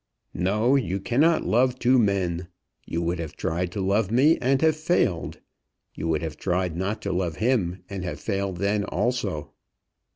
"No; you cannot love two men. You would have tried to love me and have failed. You would have tried not to love him, and have failed then also."